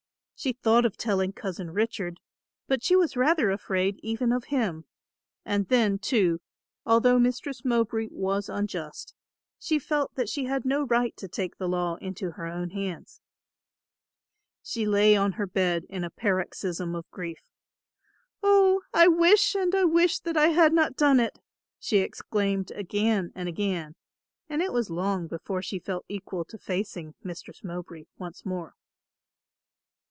She thought of telling Cousin Richard, but she was rather afraid even of him; and then too, although Mistress Mowbray was unjust, she felt that she had no right to take the law into her own hands. She lay on her bed in a paroxysm of grief, "Oh, I wish and I wish that I had not done it," she exclaimed again and again, and it was long before she felt equal to facing Mistress Mowbray once more.